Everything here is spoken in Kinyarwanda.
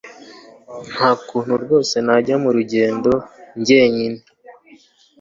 nta kuntu rwose najya mu rugendo njyenyine